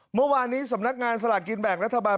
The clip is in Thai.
เมื่อวานนี้สำนักงานสลากกินแบ่งรัฐบาล